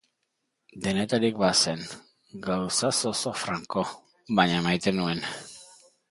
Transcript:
Denetarik bazen, gauza zozo franko, baina maite nuen.